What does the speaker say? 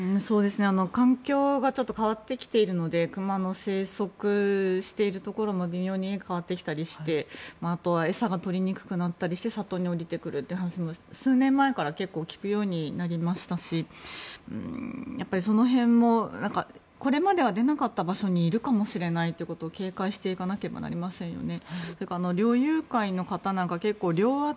環境がちょっと変わってきているので熊の生息しているところも微妙に変わってきたりしてあとは餌が取りにくくなったりして里に下りてくるというのも数年前から聞くようになりましたしやはりその辺もこれまでは出なかった場所にいるかもしれないことを警戒していかなければなりませんよね。